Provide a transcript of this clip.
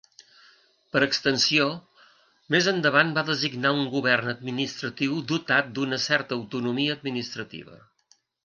Per extensió, més endavant va designar un govern administratiu dotat d'una certa autonomia administrativa.